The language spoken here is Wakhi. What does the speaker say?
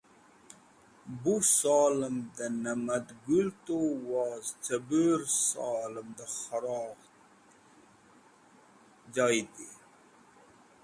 Bu solem dẽ Namadgũt tu woz cẽbũr solem dẽ Khorugh joydi.